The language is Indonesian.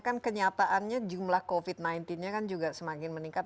kan kenyataannya jumlah covid sembilan belas nya kan juga semakin meningkat